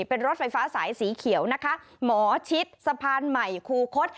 เป็นรถไฟฟ้าสายสีเขียวนะคะหมอชิดสะพานใหม่คูคศ